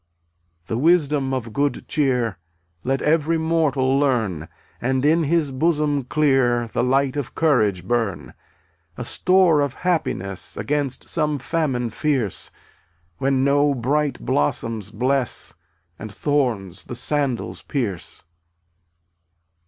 164. The wisdom of good cheer Let every mortal learn, And in his bosom clear The light of courage burn — A store of happiness Against some famine fierce — When no bright blossoms bless And thorns the sandals pierce.